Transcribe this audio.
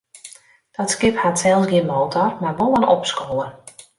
Dat skip hat sels gjin motor, mar wol in opskower.